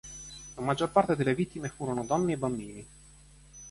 La maggior parte delle vittime furono donne e bambini.